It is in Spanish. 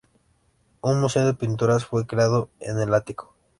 Un museo de pinturas fue creado en el ático.